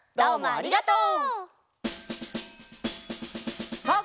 ありがとう！